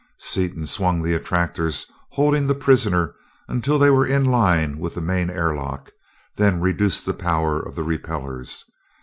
Seaton swung the attractors holding the prisoner until they were in line with the main air lock, then reduced the power of the repellers.